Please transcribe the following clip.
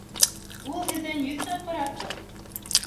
Ул һеҙҙән йөҙ тапҡыр артыҡ!